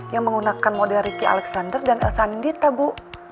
yang menggunakan model ricky alexander dan el sandita bu